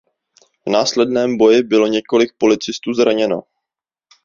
V následném boji bylo několik policistů zraněno.